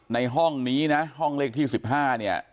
ในห้องนี้นะห้องเลขที่๑๕เนี่ย